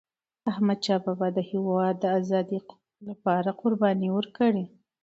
احمدشاه بابا د هیواد د آزادی لپاره قربانۍ ورکړي.